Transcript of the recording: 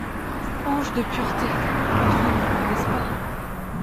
Ange de pureté ! entre nous, n’est-ce pas ?…